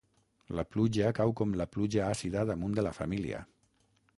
La pluja cau com la pluja àcida damunt de la família.